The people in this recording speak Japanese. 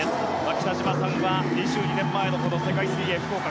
北島さんは２２年前の世界水泳福岡